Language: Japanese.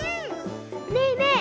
ねえねえ